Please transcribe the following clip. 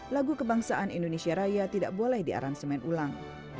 lagu kebangsaan indonesia raya tidak boleh diaransemen ulang